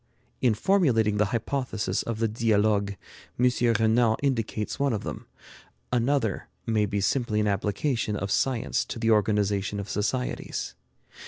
In formulating the hypothesis of the 'Dialogues,' M. Renan indicates one of them. Another may be simply an application of science to the organization of societies.